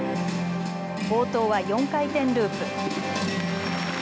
冒頭は４回転ループ。